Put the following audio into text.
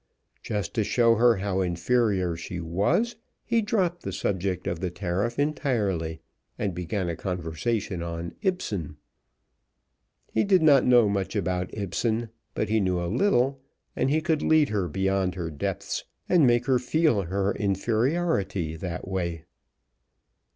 Just to show her how inferior she was he dropped the subject of the tariff entirely and began a conversation on Ibsen. He did not know much about Ibsen but he knew a little and he could lead her beyond her depths and make her feel her inferiority that way.